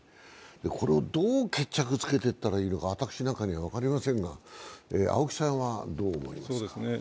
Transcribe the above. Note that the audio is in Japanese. これをどう決着つけていったらいいのか、私なんかには分かりませんが青木さんはどう思われますか？